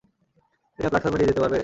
এটা প্ল্যাটফর্মে নিয়ে যেতে পারবে?